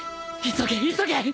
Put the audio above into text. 急げ急げ！